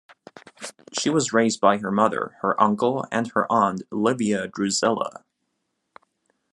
She was raised by her mother, her uncle and her aunt Livia Drusilla.